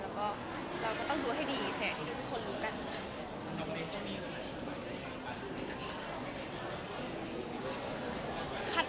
แล้วก็เราก็ต้องดูให้ดีแทบที่ทุกคนรู้กัน